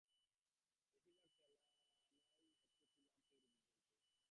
বেশির ভাগ খেলনাই হচ্ছে তুলার তৈরী জীবজন্তু।